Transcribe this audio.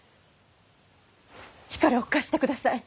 力を貸してください。